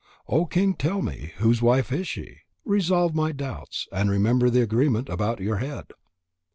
O King, tell me. Whose wife is she? Resolve my doubts, and remember the agreement about your head.